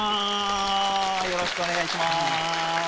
よろしくお願いします。